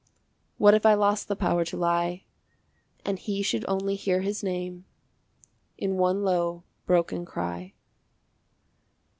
What if I lost the power to lie, And he should only hear his name In one low, broken cry?